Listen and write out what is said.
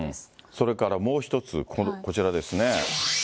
それからもう一つ、こちらですね。